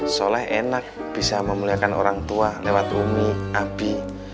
soleh enak bisa memuliakan orang tua lewat ummi abbi